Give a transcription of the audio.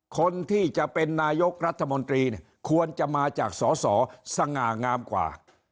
คนที่จะเป็นนายกรัฐมนตรีเนี่ยควรจะมาจากสอสอสง่างามกว่า